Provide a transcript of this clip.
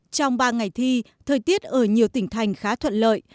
trong ba ngày thi thời tiết ở nhiều tỉnh thành khá thuận lợi